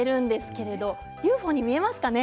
ＵＦＯに見えますかね。